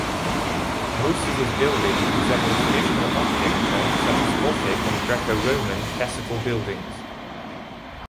Most of his buildings resemble traditional architecture such as Gothic and Greco-Roman Classical buildings.